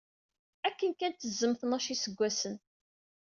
Akken kan tzemm tnac iseggasen.